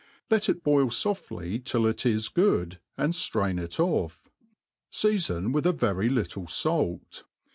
Let it boil foftly till it is good, and ftrain it off.* Seafpn with a very little falc.